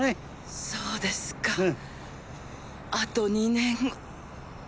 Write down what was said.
そうですかあと２年後。